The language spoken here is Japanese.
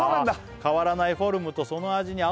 「変わらないフォルムとその味に」